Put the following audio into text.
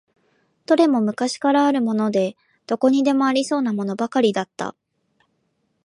どれも昔からあるもので、どこにでもありそうなものばかりだった。